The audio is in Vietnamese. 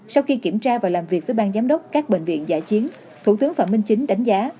sau khi kiểm tra và làm việc với bang giám đốc các bệnh viện giả chiến thủ tướng phạm minh chính đánh giá